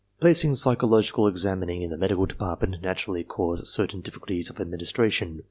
Placing psychological examining in the Medical Department naturally caused certain difficulties of aidministration.